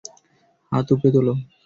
হাত উপরে তোলো!